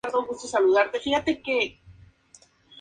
Consiguientemente fue reconocido por el Estado Peruano.